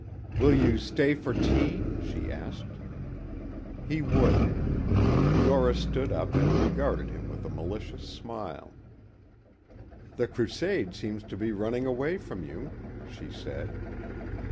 "Will you stay for tea?" she asked. He would. Doris stood up and regarded him with a malicious smile. "The crusade seems to be running away from you," she said.